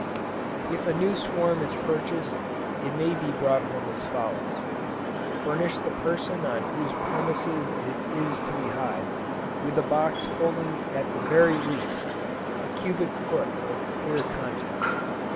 If a new swarm is purchased, it may be brought home as follows. Furnish the person on whose premises it is to be hived, with a box holding at the very least, a cubic foot of clear contents.